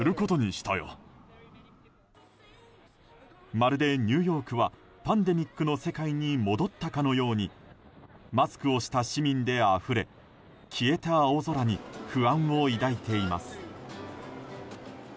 まるでニューヨークはパンデミックの世界に戻ったかのようにマスクをした市民であふれ消えた青空に不安を抱いています。